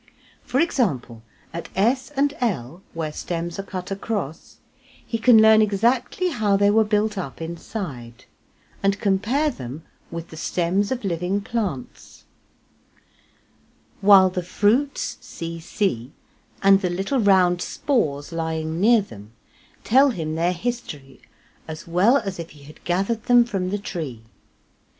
For example, at S and L, where stems are cut across, he can learn exactly how they were build up inside, and compare them with the stems of living plants, while the fruits cc and the little round spores lying near them, tell him their history as well as if he had gathered them from the tree.